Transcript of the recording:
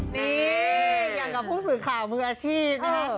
นี่อย่างกับผู้สื่อข่าวมืออาชีพนะฮะ